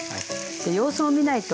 様子を見ないと。